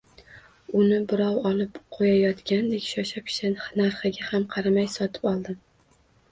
Uni birov olib qoʻyayotgandek, shosha-pisha, narxiga ham qaramay sotib oldim